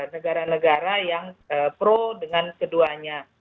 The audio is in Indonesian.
negara negara yang pro dengan keduanya